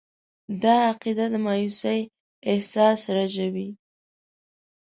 دا عقیده د مایوسي احساس رژوي.